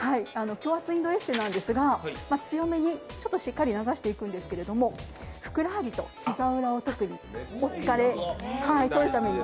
強圧インドエステなんですが、強めに、ちょっとしっかり流していくんですけれども、ふくらはぎと膝裏を特にお疲れを取るために。